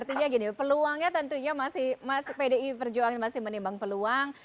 artinya gini peluangnya tentunya masih mas pdi perjuangan masih menimbang peluang